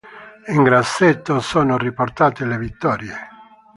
In grassetto sono riportate le vittorie.